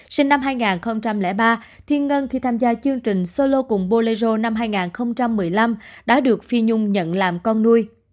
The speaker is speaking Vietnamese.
sinh năm hai nghìn ba thiên ngân khi tham gia chương trình solo cùng bolledoro năm hai nghìn một mươi năm đã được phi nhung nhận làm con nuôi